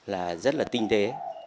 là rất là tinh tế